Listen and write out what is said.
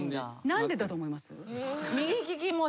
何でだと思います？